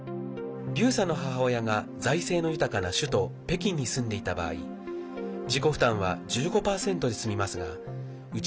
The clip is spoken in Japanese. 劉さんの母親が財政の豊かな首都・北京に住んでいた場合自己負担は１５％で済みますが内